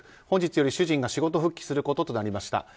本日より主人が仕事復帰することとなりました。